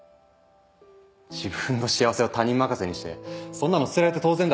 自分の幸せを他人任せにしてそんなの捨てられて当然だ。